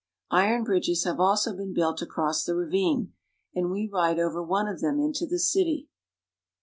Iron bridges have also been built across the ravine, and we ride over one of them into the city.